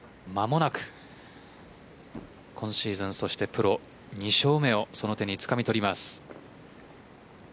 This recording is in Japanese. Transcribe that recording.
間もなく今シーズンそしてプロ２勝目をその手につかみ取ります。